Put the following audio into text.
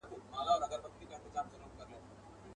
په ځغستا ولاړی ځنګله ته سو دننه.